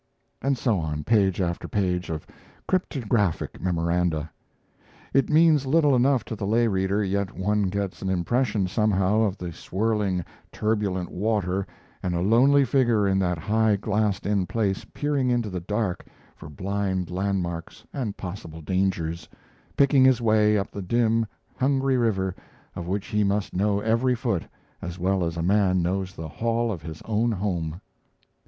And so on page after page of cryptographic memoranda. It means little enough to the lay reader, yet one gets an impression somehow of the swirling, turbulent water and a lonely figure in that high glassed in place peering into the dark for blind land marks and possible dangers, picking his way up the dim, hungry river of which he must know every foot as well as a man knows the hall of his own home.